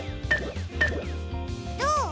どう？